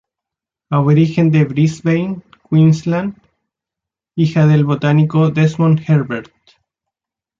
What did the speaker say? Aborigen de Brisbane, Queensland, hija del botánico Desmond Herbert.